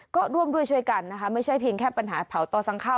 ก็ร่วมด้วยช่วยกันนะคะไม่ใช่เพียงแค่ปัญหาเผาต่อสั่งข้าว